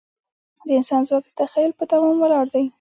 د انسان ځواک د تخیل په دوام ولاړ دی.